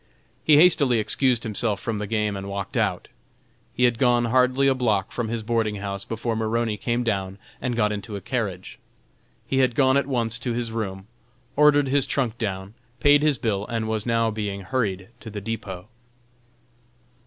He hastily excused himself from the game and walked out. He had gone hardly a block from his boarding house before Maroney came down and got into a carriage. He had gone at once to his room, ordered his trunk down, paid his bill and was now being hurried to the depot.